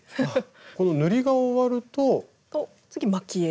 この塗りが終わると。と次蒔絵。